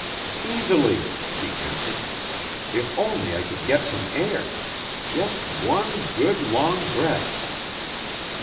"Easily," she answered. "If only I could get some air! Just one good, long breath."